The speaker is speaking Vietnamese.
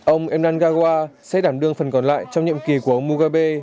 ông enan gawa sẽ đảm đương phần còn lại trong nhiệm kỳ của ông mugabe